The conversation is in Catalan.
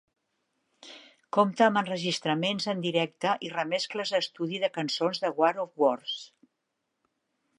Compta amb enregistraments en directe i remescles d'estudi de cançons de "War of Words".